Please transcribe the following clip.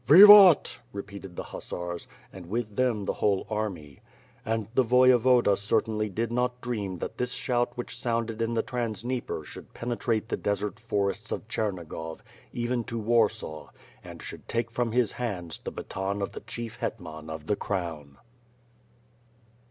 ^^ivat," repeated the hussars, and with them, the whole army. And the Voyevoda certainly did not dream that this shout which sounded in the Trans Dnieper should penetrate the desert forests of Chernigov, even to Warsaw, and should take from his hands the baton of the Chief Hetman of the Crown.